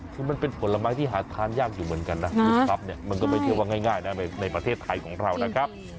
คือมันเป็นผลไม้ที่หาทานยากอยู่เหมือนกันนะยึดทรัพย์เนี่ยมันก็ไม่ใช่ว่าง่ายนะในประเทศไทยของเรานะครับ